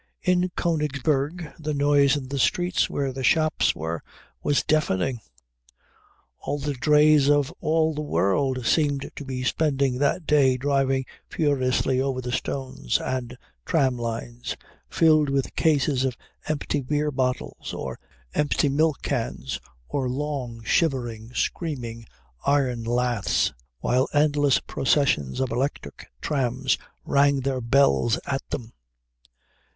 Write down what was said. In Königsberg the noise in the streets where the shops were was deafening. All the drays of all the world seemed to be spending that day driving furiously over the stones and tram lines filled with cases of empty beer bottles or empty milk cans or long, shivering, screaming iron laths, while endless processions of electric trams rang their bells at them.